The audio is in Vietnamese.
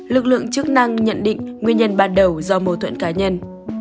lực lượng chức năng nhận định nguyên nhân ban đầu do mâu thuẫn cá nhân